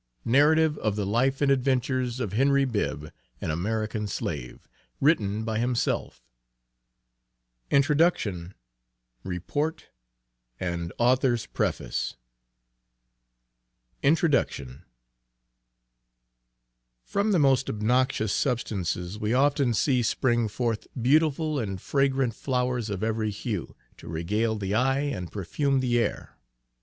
NARRATIVE OF THE LIFE AND ADVENTURES OF HENRY BIBB, AN AMERICAN SLAVE, WRITTEN BY HIMSELF. WITH AN INTRODUCTION BY LUCIUS C. MATLACK. NEW YORK: PUBLISHED BY THE AUTHOR; 5 SPRUCE STREET. 1849 INTRODUCTION. From the most obnoxious substances we often see spring forth, beautiful and fragrant, flowers of every hue, to regale the eye, and perfume the air.